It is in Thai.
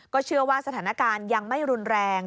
เชื่อว่าสถานการณ์ยังไม่รุนแรง